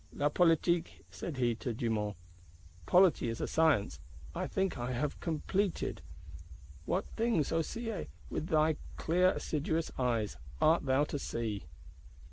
'La Politique,' said he to Dumont, 'Polity is a science I think I have completed (achevée).' What things, O Sieyes, with thy clear assiduous eyes, art thou to see!